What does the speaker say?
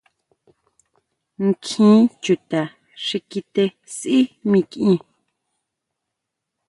Nkjín chuta xi kité sʼí mikʼien.